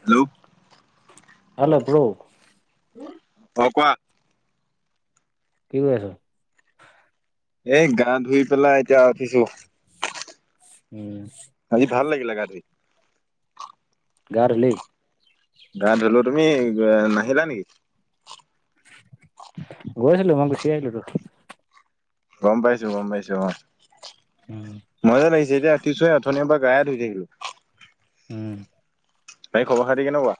Hello hello pro অ' কোৱা কি কৰি আছা? এ গা ধুই পেলাই এতিয়া উঠিছো। উম। আজি ভাল লাগিলে গা ধুই গা ধুলি গা ধুলো তুমি নাহিলা নেকি? গৈছিলো মই গুচি আহিলো তো। গ'ম পাইছো গ'ম পাইছো অ'। উম। যেতিয়া উঠিছোঁ অথনিৰে পৰা গায়ে ধুই থাকিলো। উম। তাই খবৰ-খাতি কেনেকুৱা।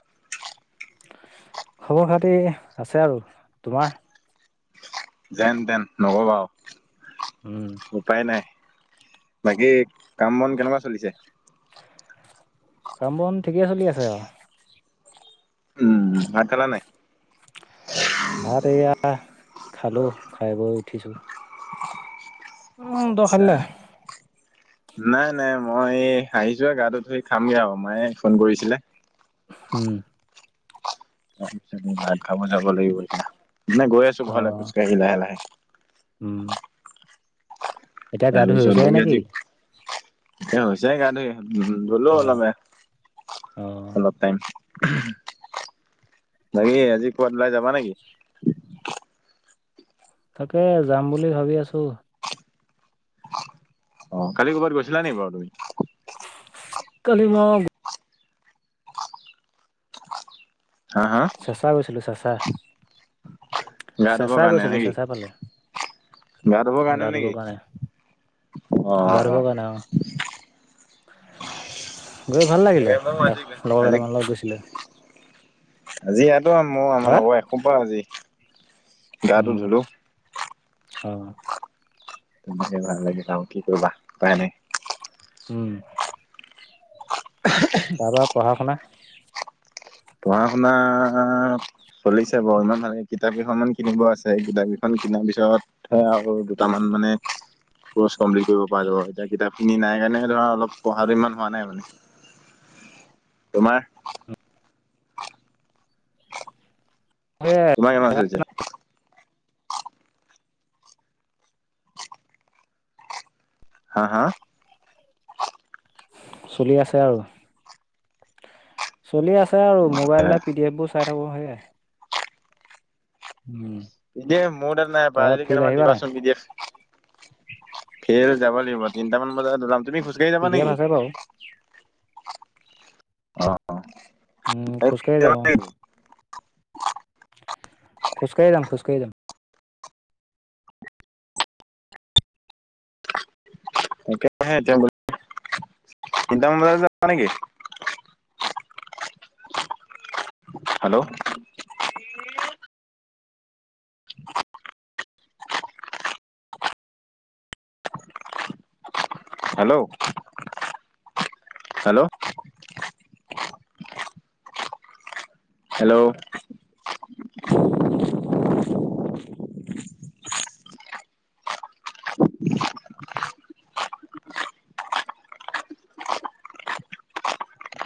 খবৰ-খাতি আছে আৰু তোমাৰ যেন-তেন নকবা আও উম, উপায় নাই বাকী কাম-বন কেনেকুৱা চলিছে কাম-বন ঠিকে চলি আছে আও উম ভাত খালা নাই ভাত এয়া খালো খাই-বৈ উঠিছো উম তই খালি নাই নাই-নাই মই আহিছো হে গাটো ধুই খামগে আও মায়ে ফোন কৰিছিলে উম। তাৰপিছত ভাত খাব যাব লাগিব এতিয়া মই গৈ আছো ঘৰলৈ অ', খোজকাঢ়ি লাহে-লাহে উম, এতিয়া গা তাৰ ধুই পিচত হৈছে লাগে নেকি? আজি এ হৈছে গা ধুই উম ধলো অ', অ', অলপ-অলপ টাইম। বাকি আজি কবাত ওলাই যাবা নেকি? তাকে যাম বুলি ভাবি আছো। আহ কালি কৰ'বাত গৈছিলা নে বাৰু তুমি? কালি মই হা হা চেঁচা গৈছিলো চেঁচা গা ধুবৰ চেঁচা কাৰণে গৈছিলো নেকি চেঁচা ফালে গা ধুবৰ কাৰণে নেকি গা অহ ধুবৰ কাৰণে অ', গৈ ভাল লাগিলে আজি লগৰ আজি কেইটামান লগত গৈছিলে আজি ইয়াতো মোৰ আমাৰ হা? লগৰ এসোপা আজি গা টো ধুলো হ তোমাকে ভাল লাগিছিল আও কি কৰিবা উপাই নাই উম তাপা পঢ়া শুনা পঢ়া শুনা চলিছে বাও ইমান ভালে কিতাপ কেইখনমান কিনিব আছে কিতাপ কেইখন কিনাৰ পিছত সে আও দুটামান মানে কৰ্চ কমপ্লিট কৰিব পৰা যাব এতিয়া কিতাপ খিনি নাই কাৰণে ধৰা অলপ পঢ়াটো ইমান হোৱা নাই মানে [inaudible] তোমাৰ সেয়াই তোমাৰ কেইমাহ চলিছে? হা-হা চলি আছে আৰু চলি আছে আৰু মোবাইলটা পি ডি এফ বোৰ চাই থাকো সেয়াই। উম পি ডি এফ মোৰ তাত নাই পাৰা তাৰ যদি ফিল্ড কেইটামান আহিবা নাই দিবাচোন পি ডি এফ ফেৰ যাব লাগিব তিনটামান বজাত যাম তুমি খোজকাঢ়ি পি যাবা ডি এফ নেকি? আছে বাৰু অহ অহ উম খোজকাঢ়ি যাব। [unintelligible] খোজ কাঢ়ি যাম খোজ কাঢ়ি যাম। একতাই আহে তেওঁ তিনটা মান বজাত যাবা নেকি? হেল্ল'। [unintelligible] হেল্ল'। হেল্ল'। হেল্ল'। [inaudible] [inaudible]